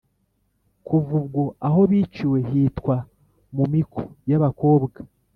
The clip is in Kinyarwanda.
kuva ubwo aho biciwe hitwa "mu miko y'abakobwa”.